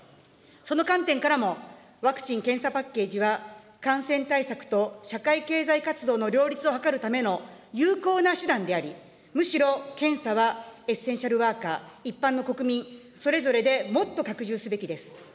その観点からも、ワクチン・検査パッケージは感染対策と社会経済活動の両立を図るための有効な手段であり、むしろ、検査はエッセンシャルワーカー、一般の国民、それぞれでもっと拡充すべきです。